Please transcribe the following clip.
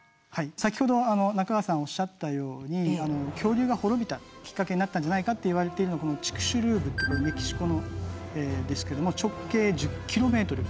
先ほど中川さんおっしゃったように恐竜が滅びたきっかけになったんじゃないかといわれてるのがこのチクシュリューブってメキシコですけども直径１０キロメートル。